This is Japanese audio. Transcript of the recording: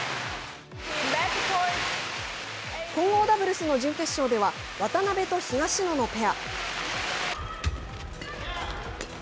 混合ダブルスの準決勝では、渡辺と東野のペア。